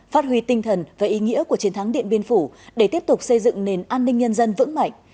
phát huy tinh thần và ý nghĩa của chiến thắng điện biên phủ để tiếp tục xây dựng nền an ninh nhân dân vững mạnh